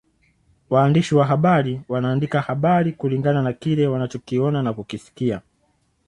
Waandishi wa habari wanaandika habari kulingana na kile wanachokiona na kukisikia